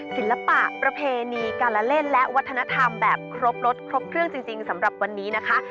ศิลปะประเพณีการละเล่นและวัฒนธรรมแบบครบรสครบเครื่องจริงสำหรับวันนี้นะคะ